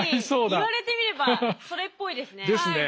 言われてみればそれっぽいですね。ですね。